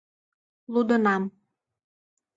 Лудынам.